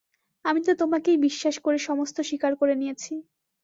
আমি তো তোমাকেই বিশ্বাস করে সমস্ত স্বীকার করে নিয়েছি।